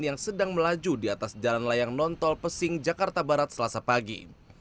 yang sedang melaju di atas jalan layang nontol pesing jakarta barat selasa pagi